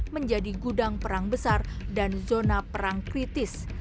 menjadi gudang perang besar dan zona perang kritis